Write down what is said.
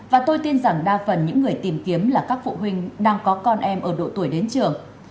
và tôi tin rằng đa phần những người tìm kiếm là các phụ huynh đang có con em ở độ tuổi đến trường